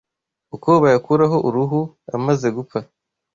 uko bayakuraho uruhu amaze gupfa